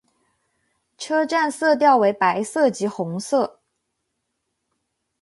车站色调为白色及红色。